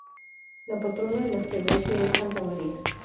La patrona de la freguesía es Santa María.